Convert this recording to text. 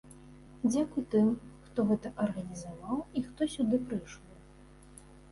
Дзякуй тым, хто гэта арганізаваў, і хто сюды прыйшоў.